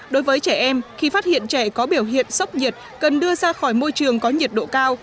đối với trẻ em khi phát hiện trẻ có biểu hiện sốc nhiệt cần đưa ra khỏi môi trường có nhiệt độ cao